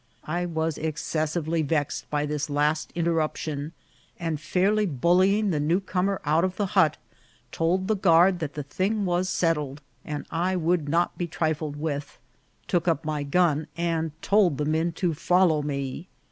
I was excessively vexed by this last inter ruption ; and fairly bullying the new comer out of the hut, told the guard that the thing was settled and I would not be trifled with, took up my gun, and told the men to follow me.